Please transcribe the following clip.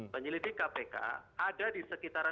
penyelidik kpk ada di sekitar